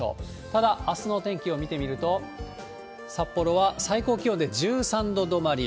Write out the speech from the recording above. ただ、あすのお天気を見てみると、札幌は最高気温で１３度止まり。